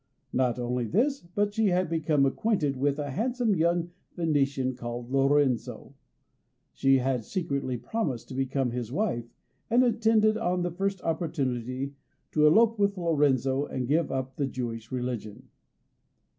Not only this, but she had become acquainted with a handsome young Venetian called Lorenzo. She had secretly promised to become his wife, and intended on the first opportunity to elope with Lorenzo and to give up the Jewish religion.